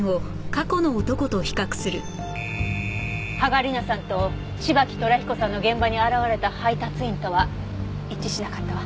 芳賀理菜さんと芝木寅彦さんの現場に現れた配達員とは一致しなかったわ。